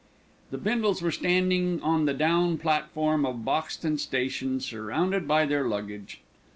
The Bindles were standing on the down platform of Boxton Station surrounded by their luggage.